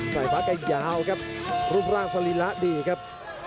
สายฟ้าก็อย่าเอาครับรูปร่างศรีระดีครับ